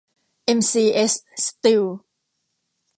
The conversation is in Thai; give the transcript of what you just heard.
เอ็ม ซี เอส สตีล